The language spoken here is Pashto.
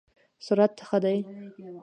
سرعت ښه دی؟